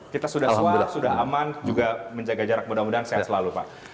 kita sudah swab sudah aman juga menjaga jarak mudah mudahan sehat selalu pak